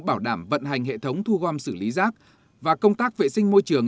bảo đảm vận hành hệ thống thu gom xử lý rác và công tác vệ sinh môi trường